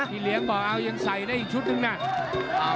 พี่เลี้ยงบอกเอายังใส่ได้อีกชุดนึงนะ